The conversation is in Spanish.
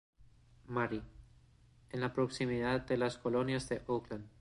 Mary", en la proximidad de las colinas de Oakland.